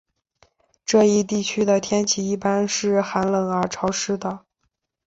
这一地区的天气一般是寒冷而潮湿的。